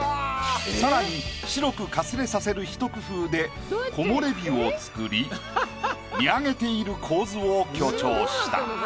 さらに白くかすれさせる一工夫で木漏れ日を作り見上げている構図を強調した。